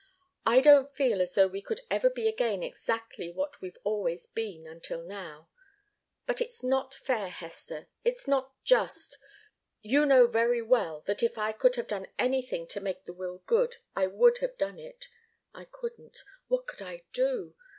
I don't feel as though we could ever be again exactly what we've always been until now. But it's not fair, Hester. It's not just. You know very well that if I could have done anything to make the will good, I would have done it. I couldn't. What could I do?